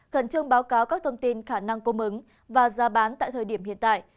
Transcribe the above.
khẩn trương báo cáo các thông tin khả năng cung ứng và giá bán tại thời điểm hiện tại